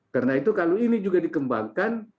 karena itu kalau ini juga dikembangkan